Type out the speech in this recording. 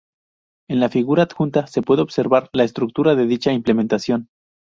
En la figura adjunta se puede observar la estructura de dicha implementación.